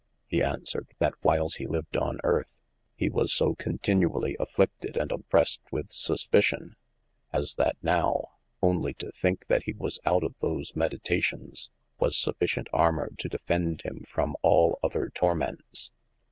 he aunswered that whyles he lyved on earth, he was so continually afflidted and oppressed with suspicion, as that now (only to thinke that he was out of those meditations) was sufficient armour to defend him from all other tormentes.